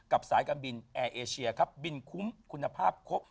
สายการบินแอร์เอเชียครับบินคุ้มคุณภาพครบ